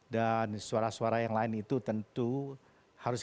dan suara suara yang lain itu tentu harus kita lakukan